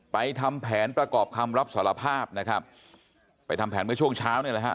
ทำแผนประกอบคำรับสารภาพนะครับไปทำแผนเมื่อช่วงเช้าเนี่ยแหละฮะ